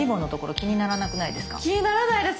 気にならないです。